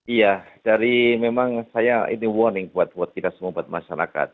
iya dari memang saya ini warning buat kita semua buat masyarakat